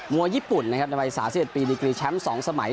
มัวยิปุ่นนะครับในวัยศาสตร์๑๑ปีดิกรีแชมป์๒สมัย